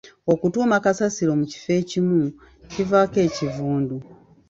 Okutuuma kasasiro mu kifo ekimu kivaako ekivundu.